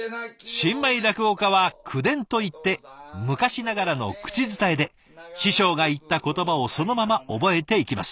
新米落語家は「口伝」といって昔ながらの口伝えで師匠が言った言葉をそのまま覚えていきます。